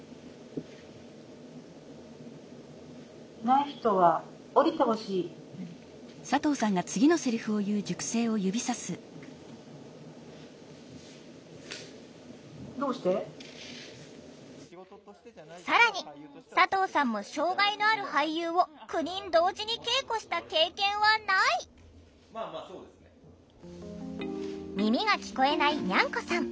しかし更に佐藤さんも障害のある俳優を９人同時に稽古した経験はない耳が聞こえないＮｙａｎｋｏさん。